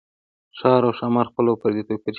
ښار او ښامار خپل او پردي توپير شته دي